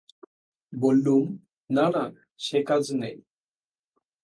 বললুম, না না, সে কাজ নেই।